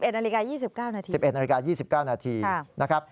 ๑นาฬิกา๒๙นาที๑๑นาฬิกา๒๙นาทีนะครับ